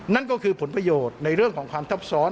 นั่นก็คือผลประโยชน์ในเรื่องของความทับซ้อน